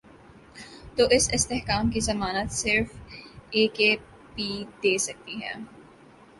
تو اس استحکام کی ضمانت صرف اے کے پی دے سکتی ہے۔